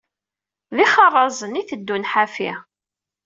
D ixerrazen i iteddun ḥafi.